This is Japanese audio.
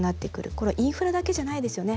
これはインフラだけじゃないですよね。